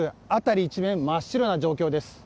一面真っ白な状態です。